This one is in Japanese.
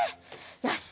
よし！